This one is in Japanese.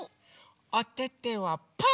おててはパー！